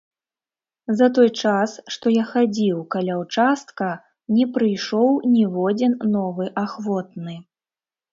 За той час, што я хадзіў, каля ўчастка, не прыйшоў ніводзін новы ахвотны.